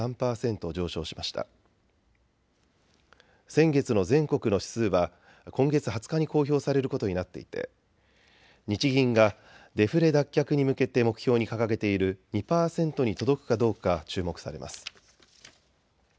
先月の全国の指数は今月２０日に公表されることになっていて日銀がデフレ脱却に向けて目標に掲げている２％に届くかどうか注目されます。